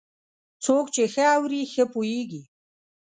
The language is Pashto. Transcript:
څوک چې ښه اوري، ښه پوهېږي.